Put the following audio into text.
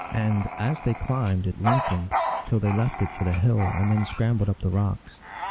And, as they climbed, it lengthened, till they left it for the hill, and then scrambled up the rocks.